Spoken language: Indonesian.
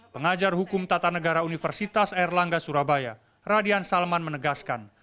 pengajar hukum tata negara universitas erlangga surabaya radian salman menegaskan